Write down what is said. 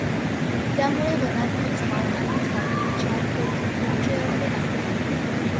त्यामुळे वनातील झाड आणि झाड तिच्या परिचयाचे आहे.